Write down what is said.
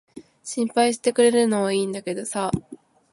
心配してくれるのは良いんだけどさ。